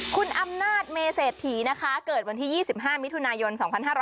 คุณอำนาจเมเศรษฐีนะคะเกิดวันที่๒๕มิถุนายน๒๕๕๙